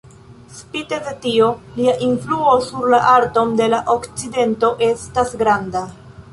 Spite de tio, lia influo sur la arton de la Okcidento estas granda.